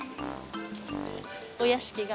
お屋敷が。